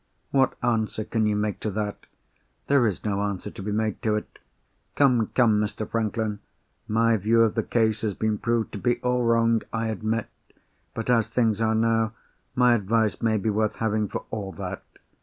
What answer can you make to that? There is no answer to be made to it. Come, come, Mr. Franklin! my view of the case has been proved to be all wrong, I admit—but, as things are now, my advice may be worth having for all that.